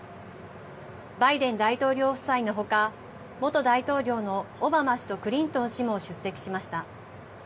バイデン大統領夫妻のほか元大統領のオバマ氏とクリントン氏も出席しました。